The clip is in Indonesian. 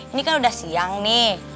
ini kan udah siang nih